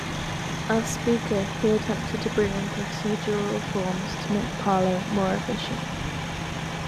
As Speaker, he attempted to bring in procedural reforms to make Parliament more efficient.